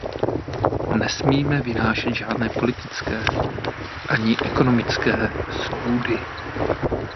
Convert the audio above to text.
Nesmíme vynášet žádné politické ani ekonomické soudy.